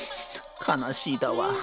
悲しいだわ。